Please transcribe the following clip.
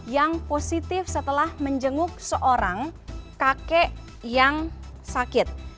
yang positif setelah menjenguk seorang kakek yang sakit